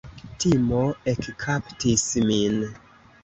Timo ekkaptis min.